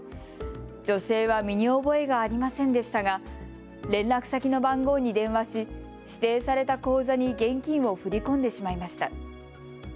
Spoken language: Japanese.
女性は身に覚えがありませんでしたが連絡先の番号に電話し指定された口座に現金を振り込んでしまいました。